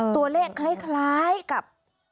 ตัวเลขคล้ายกับ